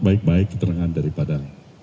baik baik keterangan daripada